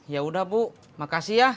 ya udah bu makasih ya